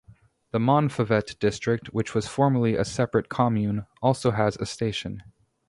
The Montfavet district, which was formerly a separate commune, also has a station.